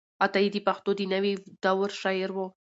عطايي د پښتو د نوې دور شاعر و.